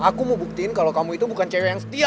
aku mau buktiin kalau kamu itu bukan cewek yang setia